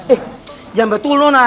eh jangan betul nona